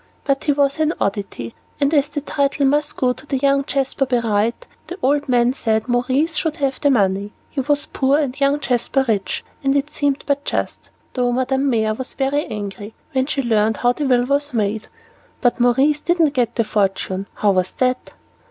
But he was an oddity, and as the title must go to young Jasper by right, the old man said Maurice should have the money. He was poor, young Jasper rich, and it seemed but just, though Madame Mère was very angry when she learned how the will was made." "But Maurice didn't get the fortune. How was that?"